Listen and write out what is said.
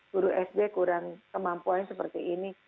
guru sd kurang kemampuannya seperti ini